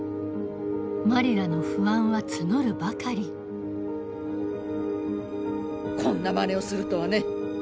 マリラの不安は募るばかりこんなまねをするとはね。